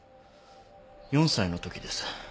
４歳のときです。